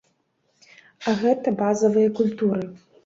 А гэта базавыя культуры.